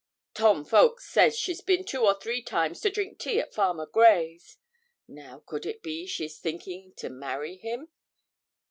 Tom Fowkes says she's bin two or three times to drink tea at Farmer Gray's now, could it be she's thinking to marry him?'